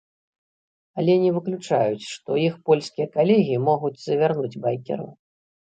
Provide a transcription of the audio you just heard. Але не выключаюць, што іх польскія калегі могуць завярнуць байкераў.